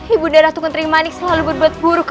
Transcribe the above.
ibu nda ratu kendrima nik selalu berbuat buruk